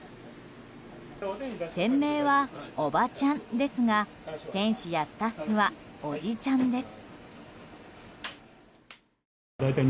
店名は「おばちゃん」ですが店主やスタッフはおじちゃんです。